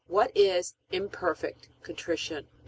What is imperfect contrition?